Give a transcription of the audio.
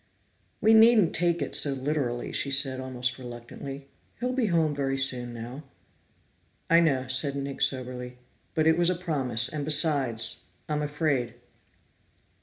"We needn't take it so literally," she said almost reluctantly. "He'll be home very soon now." "I know," said Nick soberly, "but it was a promise, and besides, I'm afraid."